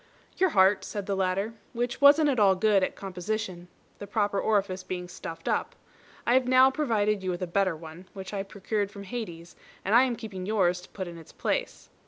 "Your heart," said the latter, "which wasn't at all good at composition, the proper orifice being stuffed up. I have now provided you with a better one, which I procured from Hades, and I am keeping yours to put in its place."